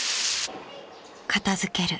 ［片付ける］